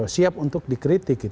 siap untuk dikritik